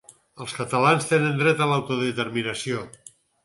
Els catalans tenen dret a l’autodeterminació.